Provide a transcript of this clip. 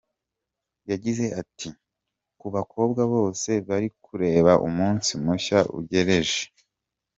Yagize ati “Ku bakobwa bose bari kureba, umunsi mushya uregereje.